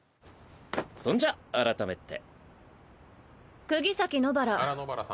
そんじゃ改めて。